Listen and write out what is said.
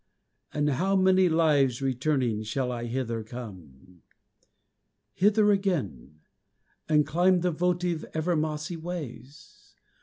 After how many lives returning Shall I hither come? Hither again! and climb the votive Ever mossy ways?